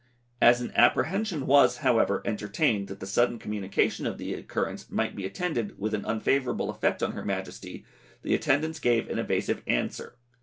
As an apprehension was, however, entertained that the sudden communication of the occurrence might be attended with an unfavourable effect on her Majesty, the attendants gave an evasive answer.